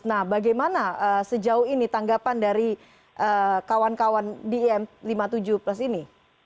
nah bagaimana sejauh ini tanggapan dari kawan kawan di im lima puluh tujuh plus ini